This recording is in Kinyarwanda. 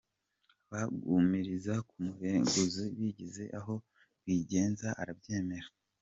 Bagumiriza kumureguza bigeze aho Rwigenza arabyemera.